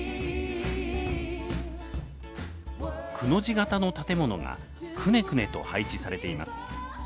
くの字形の建物がくねくねと配置されています。